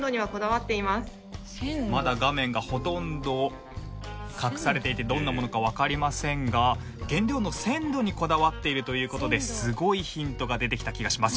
まだ画面がほとんど隠されていてどんなものかわかりませんが原料の鮮度にこだわっているという事ですごいヒントが出てきた気がします。